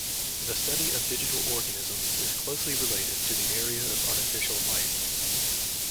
The study of digital organisms is closely related to the area of artificial life.